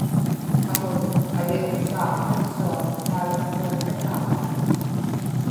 aŋun aliuqsaaqłiqsuaq naalaktuannaraaġaat